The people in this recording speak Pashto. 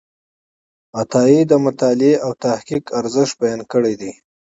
عطایي د مطالعې او تحقیق ارزښت بیان کړی دی.